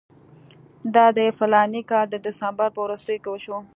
دا د فلاني کال د ډسمبر په وروستیو کې وشو.